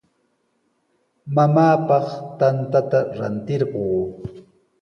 Mamaapaq tantata ratirquu.